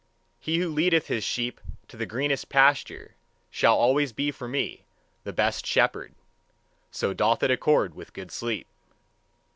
He who leadeth his sheep to the greenest pasture, shall always be for me the best shepherd: so doth it accord with good sleep.